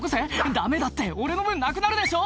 「ダメだって俺の分なくなるでしょ」